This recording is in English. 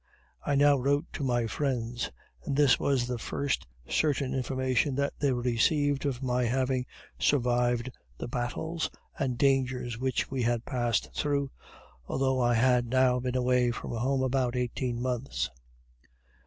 I now wrote to my friends, and this was the first certain information that they received of my having survived the battles and dangers which we had passed through, although I had now been away from home about eighteen months.